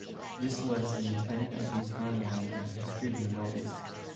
This list is intended as a timeline of the history of the Middle East.